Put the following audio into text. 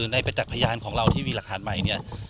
ในประจักษ์พยานของเราที่มีหลักฐานใหม่เนี่ย